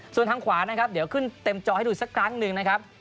ส่วนทางขวานะครับเดี๋ยวขึ้นเต็มจอให้ดูสักครั้งหนึ่งนะครับ